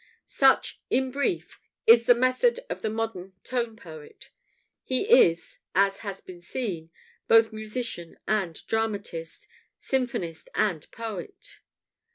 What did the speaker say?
Such, in brief, is the method of the modern "tone poet." He is, as has been said, both musician and dramatist, symphonist and poet.